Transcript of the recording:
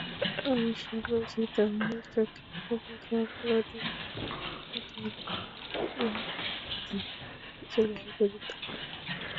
আমার স্বামী যে তাঁহারই চক্ষের সম্মুখে অপরাধীরূপে দাঁড়াইবেন, ইহাই আমি সবচেয়ে ভয় করিতাম।